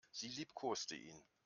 Sie liebkoste ihn.